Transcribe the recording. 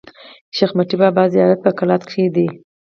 شېخ متي بابا زیارت په کلات کښي دﺉ.